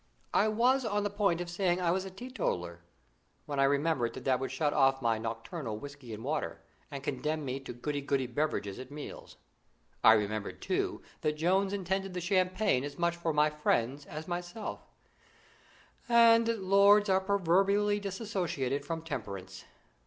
I was on the point of saying I was a teetotaller, when I remembered that would shut off my nocturnal whisky and water, and condemn me to goody goody beverages at meals. I remembered, too, that Jones intended the champagne as much for my friends as myself, and that lords are proverbially disassociated from temperance.